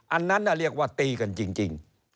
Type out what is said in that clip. อันนั้นเรียกว่าตีกันจริง